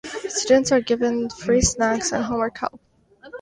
Students are given free snacks and homework help.